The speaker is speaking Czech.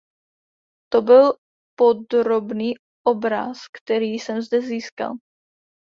To byl podrobný obraz, který jsem zde získal.